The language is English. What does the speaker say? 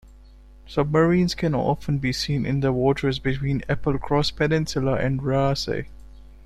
Submarines can often be seen in the waters between Applecross Peninsula and Raasay.